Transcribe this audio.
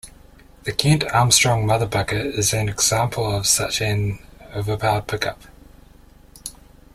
The Kent Armstrong "Motherbucker" is an example of such an overpowered pickup.